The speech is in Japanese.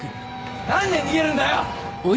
なんで逃げるんだよ！